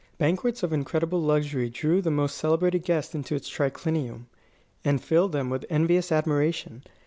Banquets of incredible luxury drew the most celebrated guests into its triclinium, and filled them with envious admiration.